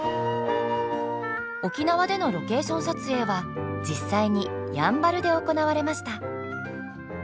沖縄でのロケーション撮影は実際にやんばるで行われました。